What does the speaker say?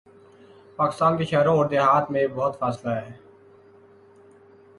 پاکستان کے شہروں اوردیہات میں بہت فاصلہ ہے۔